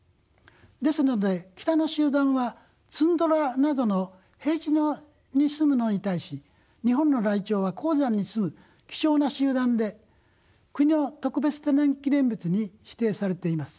ですので北の集団はツンドラなどの平地に住むのに対し日本のライチョウは高山に住む貴重な集団で国の特別天然記念物に指定されています。